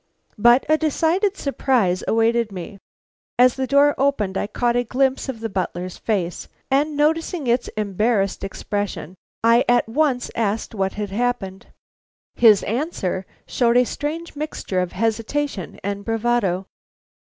But a decided surprise awaited me. As the door opened I caught a glimpse of the butler's face, and noticing its embarrassed expression, I at once asked what had happened. His answer showed a strange mixture of hesitation and bravado.